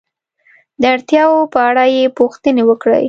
د اړتیاو په اړه یې پوښتنې وکړئ.